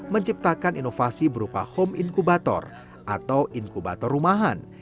menciptakan inovasi berupa home inkubator atau inkubator rumahan